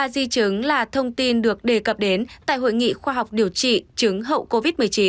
hai trăm linh ba di chứng là thông tin được đề cập đến tại hội nghị khoa học điều trị chứng hậu covid một mươi chín